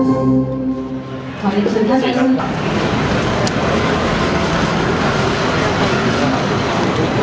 สวัสดีครับ